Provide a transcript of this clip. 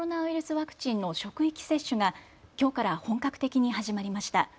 ワクチンの職域接種がきょうから本格的に始まりました。